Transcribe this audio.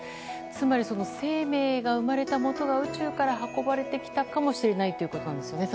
つまり生命が生まれたもとが宇宙から運ばれたかもしれないということですね。